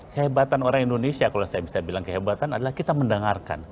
kehebatan orang indonesia kalau saya bisa bilang kehebatan adalah kita mendengarkan